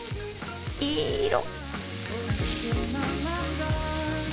いい色！